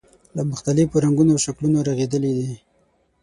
له مختلفو رنګونو او شکلونو رغېدلی دی.